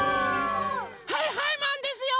はいはいマンですよ！